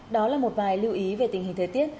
đó là một vài lưu ý về tình hình thời tiết